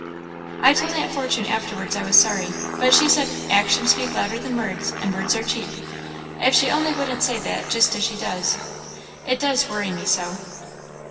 "I told Aunt Fortune afterwards I was sorry, but she said 'Actions speak louder than words, and words are cheap.' If she only wouldn't say that just as she does! it does worry me so."